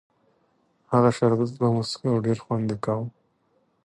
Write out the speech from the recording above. هغه شربت به مو څښه او ډېر خوند یې کاوه.